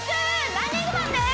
ランニングマンです！